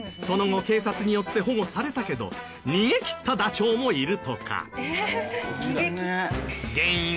その後警察によって保護されたけど逃げ切ったダチョウもいるとか。